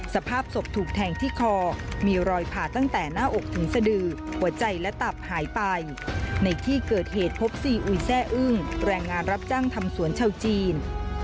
สภาพศพถูกแทงที่คอมีรอยผ่าตั้งแต่หน้าอกถึงสดือหัวใจและตับหายไปในที่เกิดเหตุพบซีอุยแซ่อึ้งแรงงานรับจ้างทำสวนชาวจีน